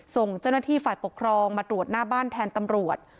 ส่งเจ้าหน้าที่ฝ่ายปกครองมาตรวจหน้าบ้านแทนตำรวจ